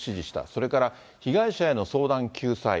それから被害者への相談、救済。